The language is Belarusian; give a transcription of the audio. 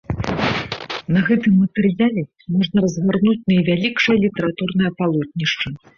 На гэтым матэрыяле можна разгарнуць найвялікшае літаратурнае палотнішча.